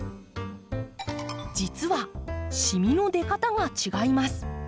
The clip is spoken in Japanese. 実はしみの出方が違います。